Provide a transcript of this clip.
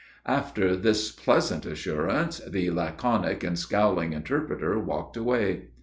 After this pleasant assurance, the laconic and scowling interpreter walked away.